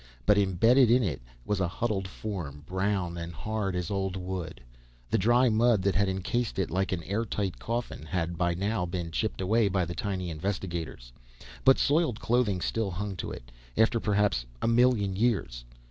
But imbedded in it was a huddled form, brown and hard as old wood. The dry mud that had encased it like an airtight coffin, had by now been chipped away by the tiny investigators; but soiled clothing still clung to it, after perhaps a million years.